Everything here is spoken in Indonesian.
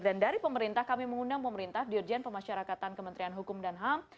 dan dari pemerintah kami mengundang pemerintah di urjian pemasyarakatan kementerian hukum dan ham